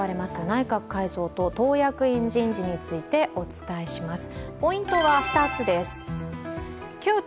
内閣改造と党役員人事についてお伝えします。